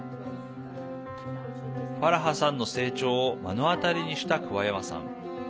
ファラハさんの成長を目の当たりにした桑山さん。